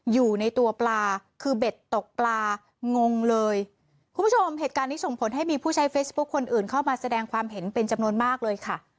อยู่ในตัวปลาคือเบ็ดตกปลางงเลยคุณผู้ชมเหตุการณ์นี้ส่งผลให้มีผู้ใช้เฟซบุ๊คคนอื่นเข้ามาแสดงความเห็นเป็นจำนวนมากเลยค่ะ